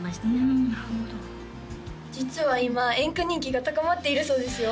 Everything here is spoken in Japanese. うんなるほど実は今演歌人気が高まっているそうですよ